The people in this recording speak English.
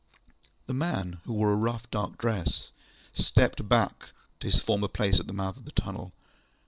ŌĆØ The man, who wore a rough dark dress, stepped back to his former place at the mouth of the tunnel.